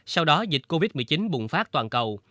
sau đó dịch covid một mươi chín bùng phát toàn cầu